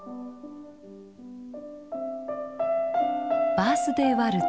「バースデーワルツ」。